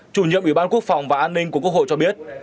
chủ nhiệm ủy ban quốc phòng và an ninh của quốc hội cho biết